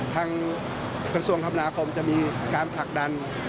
กระทรวงคมนาคมจะมีการผลักดัน